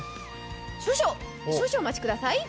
少々お待ちください。